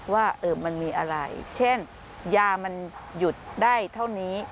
ว่ามันมีอะไรเช่นยามันหยุดได้เท่านี้